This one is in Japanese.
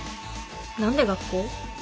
何で学校？